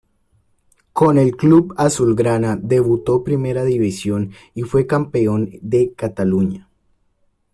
Con el club azulgrana debutó en Primera División y fue campeón de Cataluña.